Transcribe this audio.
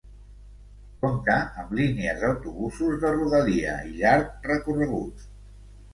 Compta amb línies d'autobusos de rodalia i llarg recorregut.